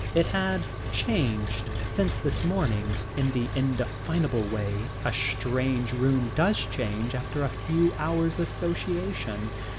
It had changed since this morning in the indefinable way a strange room does change after a few hours' association.